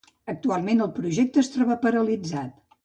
Actualment el projecte es troba paralitzat.